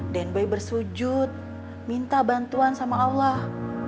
den boy bersujud minta bantuan sama allah